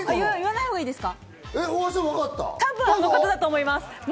多分あの方だと思います。